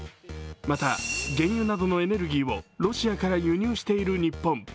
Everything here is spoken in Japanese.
また、原油などのエネルギーをロシアから輸入している日本。